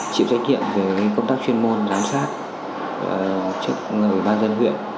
chịu trách nhiệm về công tác chuyên môn giám sát chức người ban dân huyện